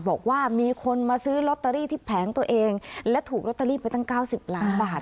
บอกว่ามีคนมาซื้อลอตเตอรี่ที่แผงตัวเองและถูกลอตเตอรี่ไปตั้งเก้าสิบล้านบาท